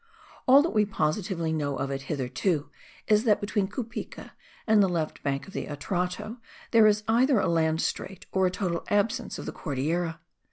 All that we positively know of it hitherto is that between Cupica and the left bank of the Atrato there is either a land strait, or a total absence of the Cordillera.